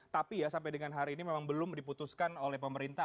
tapi ya sampai dengan hari ini memang belum diputuskan oleh pemerintah